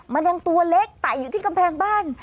มันยังตัวเล็กไต่อยู่ที่กำแพงบ้าน